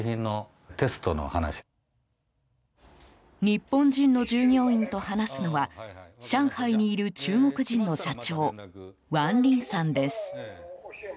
日本人の従業員と話すのは上海にいる中国人の社長ワン・リンさんです。